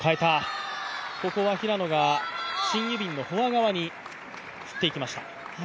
ここは平野がシン・ユビンのフォア側に振っていきました。